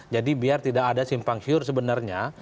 jadi biar tidak ada simpang syur sebenarnya